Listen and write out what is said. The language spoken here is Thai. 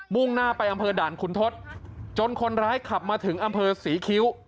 ่งหน้าไปอำเภอด่านขุนทศจนคนร้ายขับมาถึงอำเภอศรีคิ้ว